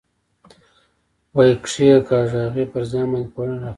ویې کېکاږه، هغې پر ځان باندې پوړنی را کش کړ.